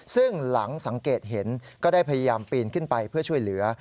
ซึ่งหลังสังเกตเห็นก็ได้พยายามปีนขึ้นไปเพื่อช่วยเหลือ